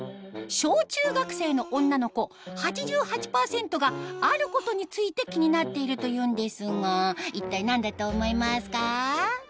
小・中学生の女の子８８％があることについて気になっているというんですが一体何だと思いますか？